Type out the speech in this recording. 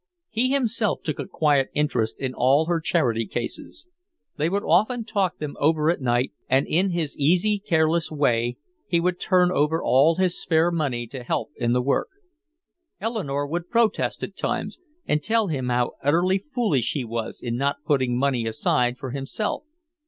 He himself took a quiet interest in all her charity cases. They would often talk them over at night, and in his easy careless way he would turn over all his spare money to help in the work. Eleanore would protest at times, and tell him how utterly foolish he was in not putting money aside for himself.